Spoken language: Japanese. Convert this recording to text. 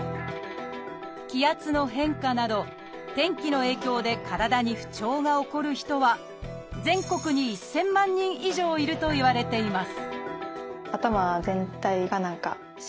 気圧の変化など天気の影響で体に不調が起こる人は全国に１，０００万人以上いるといわれています